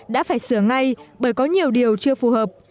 đã phải sửa ngay bởi có nhiều điều chưa phù hợp